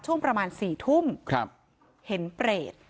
ช่วงประมาณ๔ทุ่มเห็นเปรต